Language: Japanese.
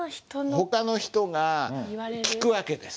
ほかの人が聞く訳です。